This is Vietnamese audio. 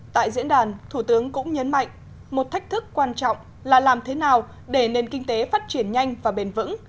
tại diễn đàn thủ tướng cũng nhấn mạnh một thách thức quan trọng là làm thế nào để nền kinh tế phát triển nhanh và bền vững